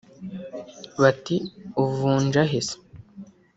Bati ‘Uvunja he se